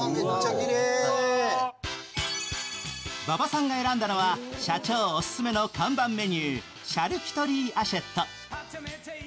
馬場さんが選んだのは社長オススメの看板メニュー、シャルキュトリー・アシェット。